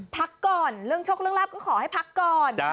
พักก่อนเรื่องโชคเรื่องลาบก็ขอให้พักก่อน